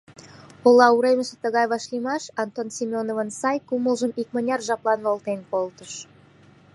Ола уремыште тыгай вашлиймаш Антон Семёновын сай кумылжым икмыняр жаплан волтен колтыш.